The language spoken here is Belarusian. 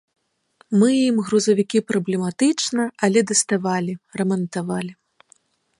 Мы ім грузавікі праблематычна, але даставалі, рамантавалі.